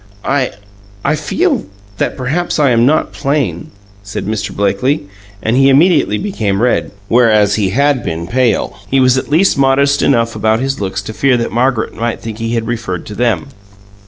"I I feel that perhaps I am not plain," said Mr. Blakely, and immediately became red, whereas he had been pale. He was at least modest enough about his looks to fear that Margaret might think he had referred to them.